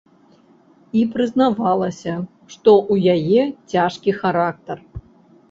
І прызнавалася, што ў яе цяжкі характар.